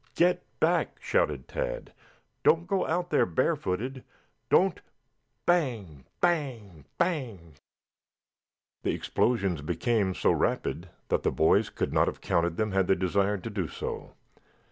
"Get back!" shouted Tad. "Don't go out there barefooted. Don't " Bang! Bang! Bang! The explosions became so rapid that the boys could not have counted them had they desired to do so.